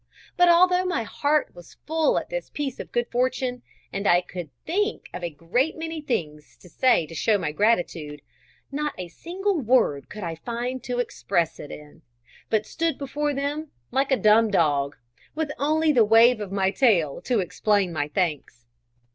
But although my heart was full at this piece of good fortune, and I could think of a great many things to say to show my gratitude, not a single word could I find to express it in, but stood before them like a dumb dog, with only the wave of my tail to explain my thanks.